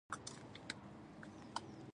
چې په دې توګه